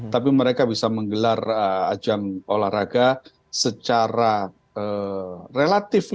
tapi mereka bisa menggelar ajang olahraga secara relatif